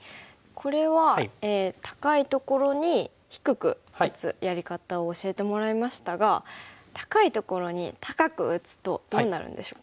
これは高いところに低く打つやり方を教えてもらいましたが高いところに高く打つとどうなるんでしょうか。